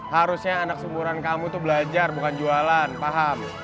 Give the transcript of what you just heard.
harusnya anak seumuran kamu itu belajar bukan jualan paham